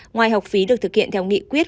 ngoài học phí được thực hiện theo nghị quyết